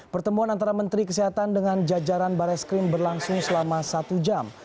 pertemuan antara menteri kesehatan dengan jajaran barreskrim berlangsung selama satu jam